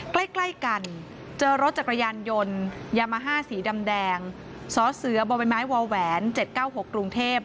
ใกล้ใกล้กันเจอรถจักรยานยนต์ยามาฮ่าสีดำแดงสอเสือบ่อยไม้วอแหวนเจ็ดเก้าหกกรุงเทพฯ